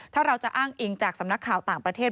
ถ้าเราจะอ้างอิงจากสำนักข่าวต่างประเทศ